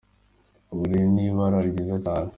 Ubururi ni ibara ryiza cyane.